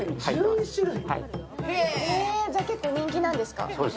じゃ、結構人気なんですか。